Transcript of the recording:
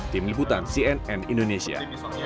tim liputan cnn indonesia